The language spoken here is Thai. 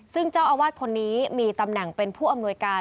ซึ่งเจ้าอาวาสคนนี้มีตำแหน่งเป็นผู้อำนวยการ